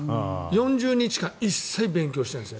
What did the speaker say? ４０日間一切勉強してないんです。